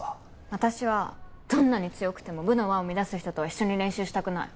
私はどんなに強くても部の和を乱す人とは一緒に練習したくない。